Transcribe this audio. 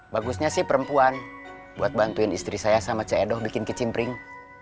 bagusnya sih perempuan buat bantuin istri saya sama c edho bikin kecimpring